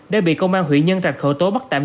đã bị công an huyện nhân rạch khẩu tố bắt tắt